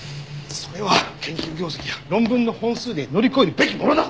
それは研究業績や論文の本数で乗り越えるべきものだ！